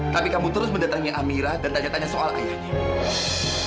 tapi kamu terus mendatangi amira dan tanya tanya soal airnya